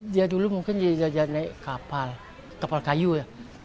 dia dulu mungkin dia naik kapal kapal kayu ya